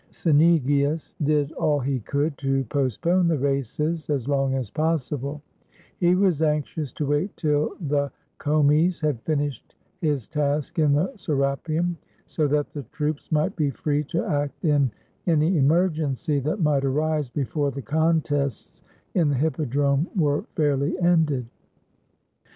Cynegius did all he could to postpone the races as long as possible; he was anxious to wait till the Comes had j&nished his task in the Serapeum, so that the troops might be free to act in any emergency that might arise before the contests in the hippodrome were fairly ended.